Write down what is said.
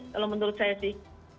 kalau menurut saya sih